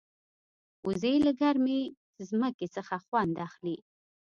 وزې له ګرمې ځمکې څخه خوند اخلي